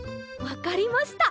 わかりました。